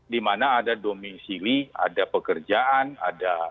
di mana ada domisili ada pekerjaan ada